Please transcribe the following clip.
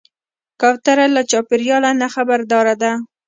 کوتره له چاپېریاله نه خبرداره ده.